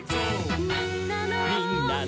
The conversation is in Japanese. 「みんなの」